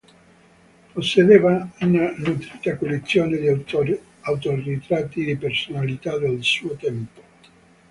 Possedeva una nutrita collezione di autoritratti di personalità del suo tempo.